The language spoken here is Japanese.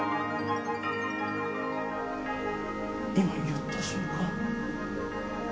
今言った瞬間。